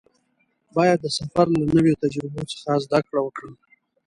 باید د سفر له نویو تجربو څخه زده کړه وکړم.